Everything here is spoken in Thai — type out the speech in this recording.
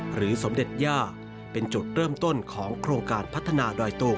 สมเด็จย่าเป็นจุดเริ่มต้นของโครงการพัฒนาดอยตุง